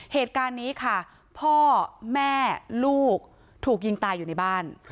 เหตุการณ์นี้ค่ะพ่อแม่ลูกถูกยิงตายอยู่ในบ้าน